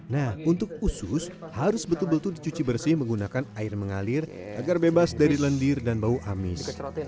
nah untuk usus harus betul betul dicuci bersih menggunakan air mengalir agar bebas dari lendir dan bau amis